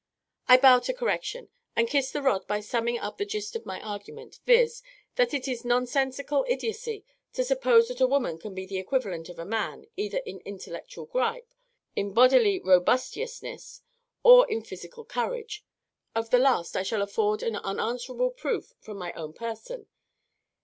_) I bow to correction, and kiss the rod by summing up the gist of my argument, viz., that it is nonsensical idiotcy to suppose that a woman can be the equivalent of a man either in intellectual gripe, in bodily robustiousness, or in physical courage. Of the last, I shall afford an unanswerable proof from my own person.